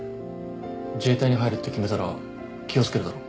自衛隊に入るって決めたら気を付けるだろ。